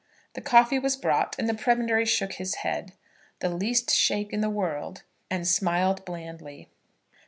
The coffee was brought, and the Prebendary shook his head, the least shake in the world, and smiled blandly.